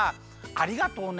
ありがとうね。